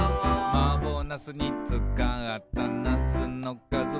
「マーボーナスにつかったナスのかずは」